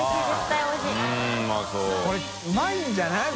海うまいんじゃない？